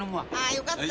よかった。